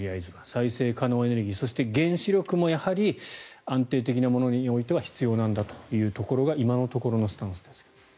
再生可能エネルギーそして原子力もやはり安定的なものにおいては必要なんだというところが今のところのスタンスです。